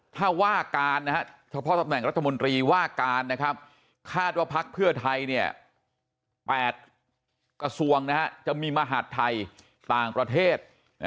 ถ้าว่าการเฉพาะตำแหน่งรัฐมนตรีว่าการนะครับคาดว่าพักเพื่อไทย๘กระทรวงจะมีมหาดไทยต่างประเทศ